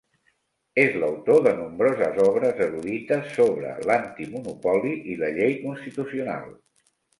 És l'autor de nombroses obres erudites sobre l'antimonopoli i la llei constitucional.